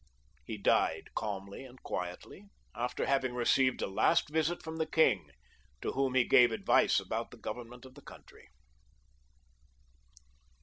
He died calmly and quietly, ^ter having received a last visit from the king, to whom he gave advice about the government of the country.